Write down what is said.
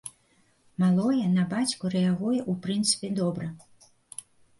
Малое на бацьку рэагуе ў прынцыпе добра.